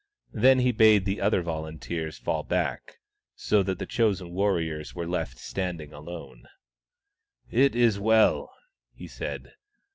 Then he bade the other volunteers fall back, so that the chosen warriors were left standing alone. "It is well," he said.